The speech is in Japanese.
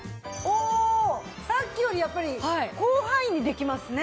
さっきよりやっぱり広範囲にできますね。